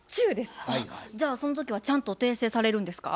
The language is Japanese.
じゃあその時はちゃんと訂正されるんですか？